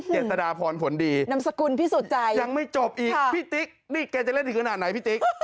เจษฎาพรผลดีนำสกุลพิสุทธิ์ใจยังไม่จบอีกพี่ติ๊กนี่แกจะเล่นถึงขนาดไหนพี่ติ๊ก